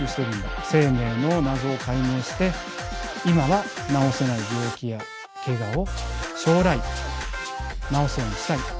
生命の謎を解明して今は治せない病気やけがを将来治すようにしたい。